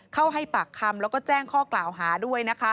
เข้าให้ปากคำแล้วก็แจ้งข้อกล่าวหาด้วยนะคะ